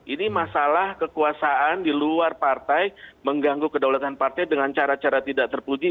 ini masalah kekuasaan di luar partai mengganggu kedaulatan partai dengan cara cara tidak terpuji